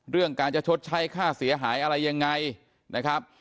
เรื่องการจะชดใช้ค่าเสียหายอะไรยังไงนะครับ